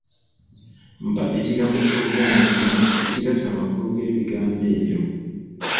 Mpa ekigambo ky'Oluganda kimu ekigatta amakulu g'ebigambo ebyo.